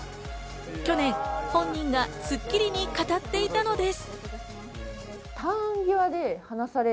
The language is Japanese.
去年、本人が『スッキリ』に語っていたのです。